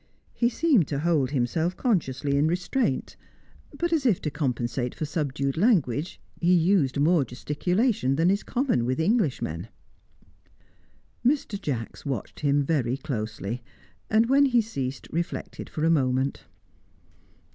He seemed to hold himself consciously in restraint, but, as if to compensate for subdued language, he used more gesticulation than is common with Englishmen. Mr. Jacks watched him very closely, and, when he ceased, reflected for a moment.